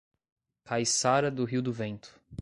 Caiçara do Rio do Vento